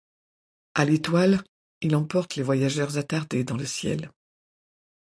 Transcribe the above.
À l'Étoile, il emporte les voyageurs attardés dans le ciel.